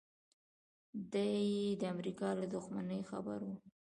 دی یې د امریکا له دښمنۍ خبر و